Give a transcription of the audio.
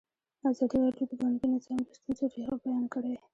ازادي راډیو د بانکي نظام د ستونزو رېښه بیان کړې.